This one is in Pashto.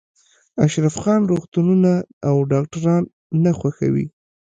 اشرف خان روغتونونه او ډاکټران نه خوښوي